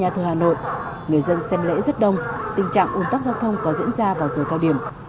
hà nội người dân xem lễ rất đông tình trạng ung tắc giao thông có diễn ra vào giờ cao điểm